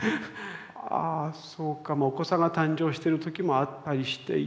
ああそうかもうお子さんが誕生してる時もあったりしていて。